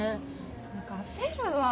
何か焦るわ。